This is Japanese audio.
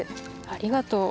ありがとう。